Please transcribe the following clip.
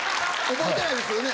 覚えてないんですよね？